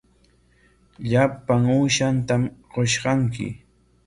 Llapan uushatam qushqayki.